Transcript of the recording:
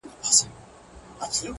o رسوي خبري چي مقام ته د لمبو په زور,